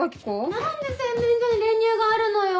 何で洗面所に練乳があるのよ。